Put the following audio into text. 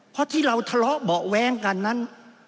เพราะที่เราทะเลาะเบาะแว้งกันนั้น